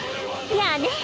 やあねえ。